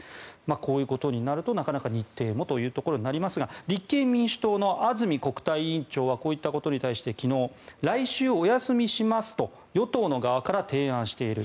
こういうことになるとなかなか日程もというところになりますが立憲民主党の安住国対委員長はこういったことに対して昨日、来週お休みしますと与党の側から提案している。